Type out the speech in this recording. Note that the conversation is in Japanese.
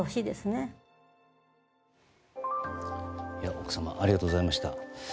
奥様ありがとうございました。